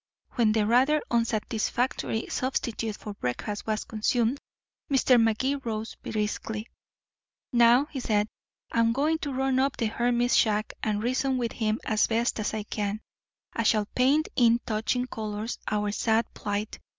When the rather unsatisfactory substitute for breakfast was consumed, Mr. Magee rose briskly. "Now," he said, "I'm going to run up to the hermit's shack and reason with him as best I can. I shall paint in touching colors our sad plight.